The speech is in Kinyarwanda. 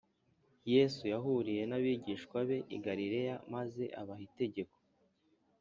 Yesu yahuriye n abigishwa be i Galilaya maze abaha itegeko